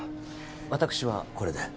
私はこれで。